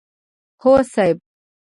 هو صاحب!